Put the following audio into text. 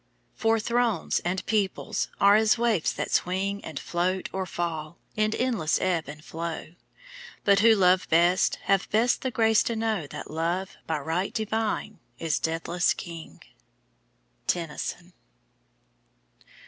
For thrones and peoples are as waifs that swing And float or fall, in endless ebb and flow; But who love best have best the grace to know That Love, by right divine, is deathless King. TENNYSON.